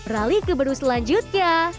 rali ke baru selanjutnya